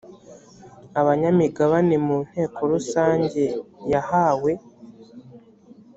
abanyamigabane mu nteko rusange yahawe